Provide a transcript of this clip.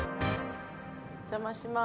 お邪魔します。